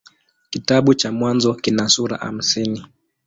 Kitabu cha Mwanzo kina sura hamsini.